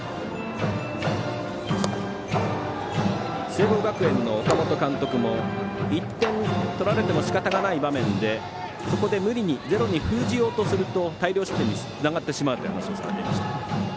聖望学園の岡本監督も１点取られてもしかたがない場面でそこで無理にゼロで封じようとすると大量失点につながってしまうと話されていました。